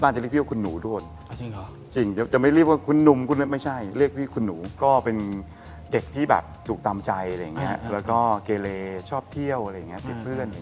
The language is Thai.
แล้วก็เกเลชอบเที่ยวอะไรอย่างนี้เด็กเพื่อนอะไรอย่างนี้